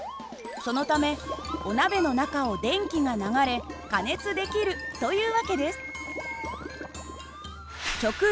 そのためお鍋の中を電気が流れ加熱できるという訳です。